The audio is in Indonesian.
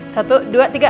satu dua tiga